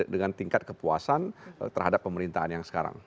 dengan tingkat kepuasan terhadap pemerintahan yang sekarang